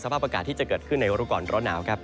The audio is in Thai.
ภาพอากาศที่จะเกิดขึ้นในรู้ก่อนร้อนหนาวครับ